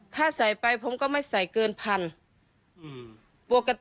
ถ้าใส่ไปผมก็ไม่ใส่เกินพันปกติ